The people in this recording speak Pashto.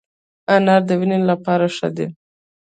انار د وینې لپاره ښه دی